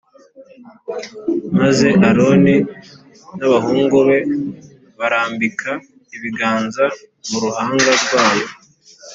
maze Aroni n abahungu be barambike ibiganza mu ruhanga rwayo